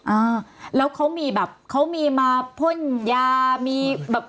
อ่าแล้วเขามีแบบเขามีมาพ่นยามีแบบ